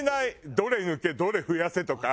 「どれ抜け」「どれ増やせ」とか。